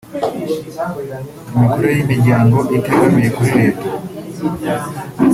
imikorere y’imiryango itegamiye kuri leta